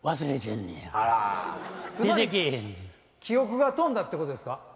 記憶が飛んだってことですか？